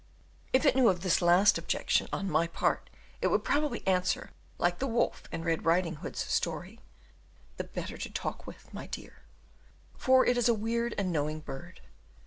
If it knew of this last objection on my part, it would probably answer, like the wolf in Red Riding Hood's story, "the better to talk with, my dear" for it is a weird and knowing bird.